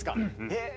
え